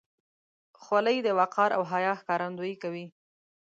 خولۍ د وقار او حیا ښکارندویي کوي.